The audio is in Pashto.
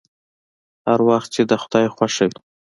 هر وخت چې د خداى خوښه وي.